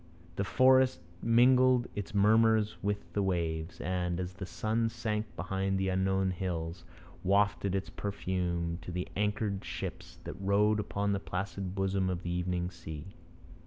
The forest mingled its murmurs with the waves, and, as the sun sank behind the unknown hills, wafted its perfume to the anchored ships that rode upon the placid bosom of the evening sea.